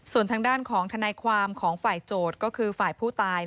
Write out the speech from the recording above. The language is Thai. ส่วนทางด้านของทนายความของฝ่ายโจทย์ก็คือฝ่ายผู้ตาย